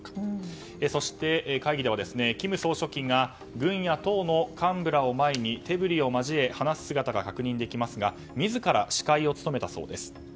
そして会議では金総書記が軍や党の幹部らを前に手ぶりを交え話す姿が確認できますが自ら司会を務めたそうです。